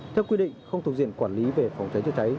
theo quy định không thực diện quản lý về phòng cháy chế cháy